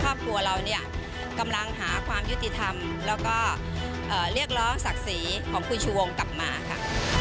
ครอบครัวเราเนี่ยกำลังหาความยุติธรรมแล้วก็เรียกร้องศักดิ์ศรีของคุณชูวงกลับมาค่ะ